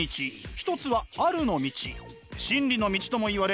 一つはあるの道真理の道ともいわれ